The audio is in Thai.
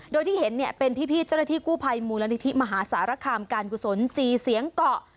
โดยที่เห็นเนี่ยเป็นพี่เจ้าหน้าที่กู้ภัยมูลนิธิมหาสารคามการกุศลจีเสียงเกาะ